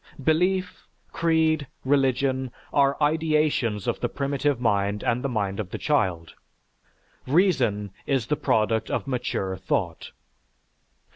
Belief, creed, religion, are ideations of the primitive mind and the mind of the child; reason is the product of mature thought.